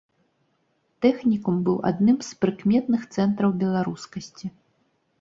Тэхнікум быў адным з прыкметных цэнтраў беларускасці.